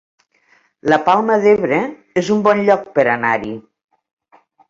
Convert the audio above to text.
La Palma d'Ebre es un bon lloc per anar-hi